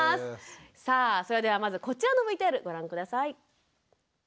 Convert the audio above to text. さあそれではまずこちらのＶＴＲご覧下さい。